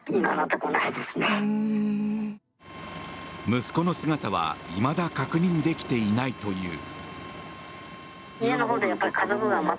息子の姿はいまだ確認できていないという。